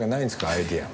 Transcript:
アイデア。